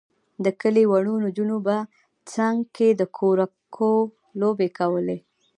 د کلي وړو نجونو به څنګ کې د کورکو لوبې کولې.